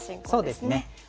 そうですね。